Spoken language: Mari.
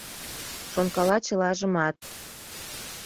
Шонкала чылажымат.